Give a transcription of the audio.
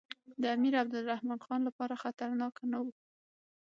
د امیر عبدالرحمن خان لپاره خطرناک نه وو.